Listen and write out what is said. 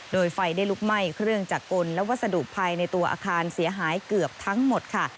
โดยไฟได้ลุกไหม้เครื่องจักรกลและวัสดุภายในตัวอาคารเสียหายเกือบทั้งหมดค่ะ